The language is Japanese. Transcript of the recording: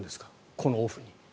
このオフ。